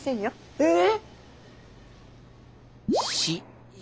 えっ！